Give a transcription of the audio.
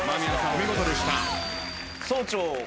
お見事でした。